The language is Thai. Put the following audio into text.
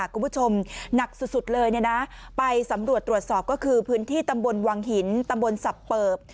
คุณผู้ชมหนักสุดสุดเลยเนี่ยนะไปสำรวจตรวจสอบก็คือพื้นที่ตำบลวังหินตำบลสับเปิบ